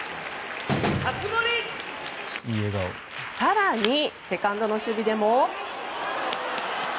更にセカンドの守備でも。